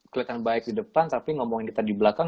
kelihatan baik di depan tapi ngomongin kita di belakang